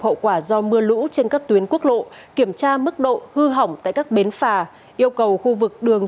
hậu quả do mưa lũ trên các tuyến quốc lộ kiểm tra mức độ hư hỏng tại các bến phà yêu cầu khu vực đường